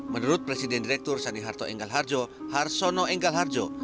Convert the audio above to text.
menurut presiden direktur saniharto enggal harjo harsono enggal harjo